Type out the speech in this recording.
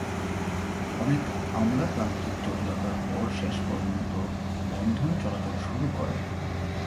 অনেক আমলাতান্ত্রিক জটিলতার পর শেষ পর্যন্ত বন্ধন চলাচল শুরু করে।